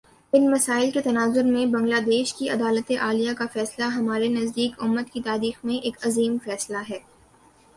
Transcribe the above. ان مسائل کے تناظر میں بنگلہ دیش کی عدالتِ عالیہ کا فیصلہ ہمارے نزدیک، امت کی تاریخ میں ایک عظیم فیصلہ ہے